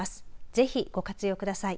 ぜひ、ご活用ください。